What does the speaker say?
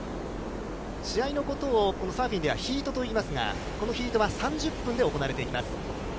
試合のことをサーフィンではヒートといいますが、このヒートは３０分で行われていきます。